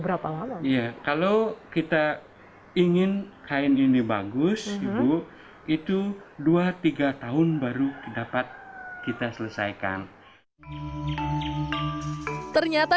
berapa lama ya kalau kita ingin kain ini bagus ibu itu dua tiga tahun baru dapat kita selesaikan ternyata